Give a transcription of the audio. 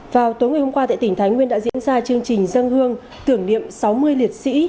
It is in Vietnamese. vào tối ngày hôm qua tại tỉnh thái nguyên đã diễn ra chương trình dân hương tưởng niệm sáu mươi liệt sĩ